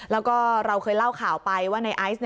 แล้วก็เราเคยเล่าข่าวไปว่าในไอซ์